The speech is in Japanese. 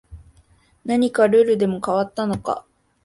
何かルールでも変わったのか